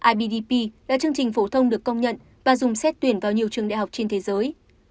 ibdp là chương trình phổ thông được công nhận và dùng xét tuyển vào nhiều trường đại học trên thế giới